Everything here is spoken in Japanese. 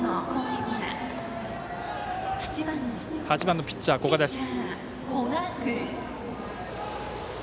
８番ピッチャー、古賀です。